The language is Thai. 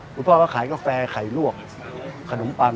พ่อก็ขายกาแฟไข่ลวกขนมปัง